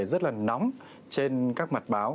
rất là nóng trên các mặt báo